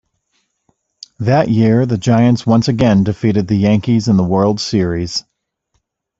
That year, the Giants once again defeated the Yankees in the World Series.